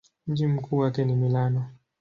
Mji mkuu wake ni Milano.